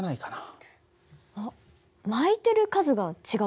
あっ巻いてる数が違う？